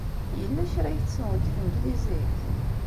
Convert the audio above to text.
Yella kra ay tessneḍ deg tanglizit?